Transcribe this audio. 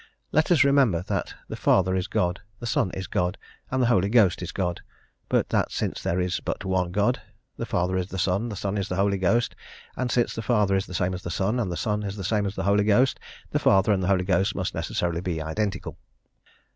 Let us remember that the Father is God, the Son is God, and the Holy Ghost is God, but that since there is but one God, the Father is the Son, and the Son is the Holy Ghost, and since the Father is the same as the Son, and the Son is the same as the Holy Ghost, the Father and the Holy Ghost must necessarily be identical.